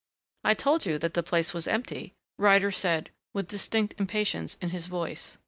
"I told you that the place was empty," Ryder said with distinct impatience in his voice.